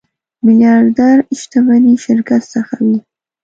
میلیاردر شتمني شرکت څخه وي.